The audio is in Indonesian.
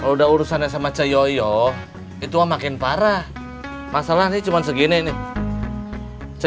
kalau udah urusannya sama ce yoyo itu makin parah masalahnya cuman segini nih ce